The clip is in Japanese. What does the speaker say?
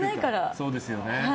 そうですよね。